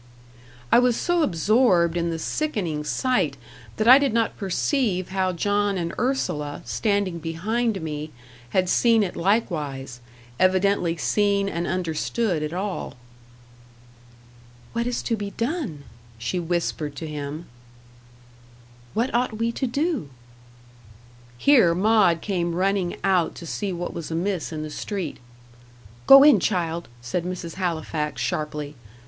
I was so absorbed in the sickening sight, that I did not perceive how John and Ursula, standing behind me, had seen it likewise evidently seen and understood it all. "What is to be done?" she whispered to him. "What ought we to do?" Here Maud came running out to see what was amiss in the street. "Go in, child," said Mrs. Halifax, sharply.